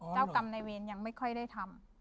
เจ้ากรรมในเวรยังไม่ค่อยได้ทำ